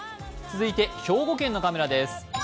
続いて兵庫県のカメラです。